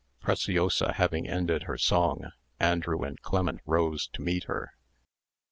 Preciosa having ended her song, Andrew and Clement rose to meet her.